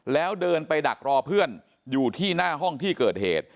แล้วเดินไปดักรอเพื่อนอยู่ที่หน้าห้องที่เกิดเหตุ